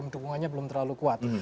dukungannya belum terlalu kuat